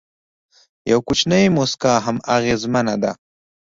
یو کوچنی موسکا هم اغېزمنه ده.